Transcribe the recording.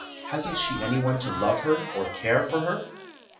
hasn't she anyone to love her, or care for her?